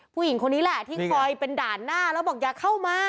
ผู้หญิงคนนี้แหละที่คอยเป็นด่านหน้าแล้วบอกอย่าเข้ามา